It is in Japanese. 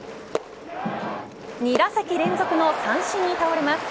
２打席連続の三振に倒れます。